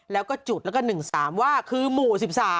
แล้วก็จุดแล้วก็๑๓ว่าคือหมู่๑๓